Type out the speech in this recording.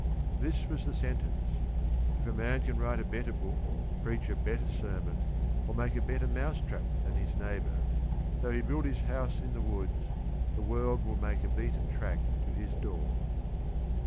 This was the sentence: "_If a man can write a better book, preach a better sermon, or make a better mouse trap than his neighbor, though he build his house in the woods, the world will make a beaten track to his door_."